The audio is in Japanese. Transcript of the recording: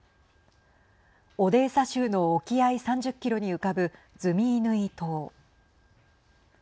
オデーサ州の沖合３０キロに浮かぶズミイヌイ島。